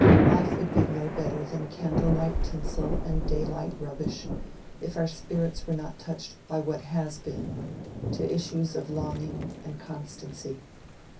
Life would be no better than candle light tinsel and daylight rubbish if our spirits were not touched by what has been, to issues of longing and constancy.